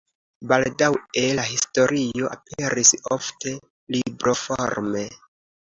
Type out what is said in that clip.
Baldaŭe la historio aperis ofte libroforme.